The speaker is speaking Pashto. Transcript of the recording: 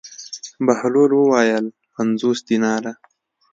بهلول وویل: پنځوس دیناره.